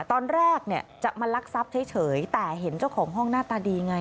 ตอนแรกจะมาลักซับเฉยแต่เห็นเจ้าของห้องหน้าตาดีไง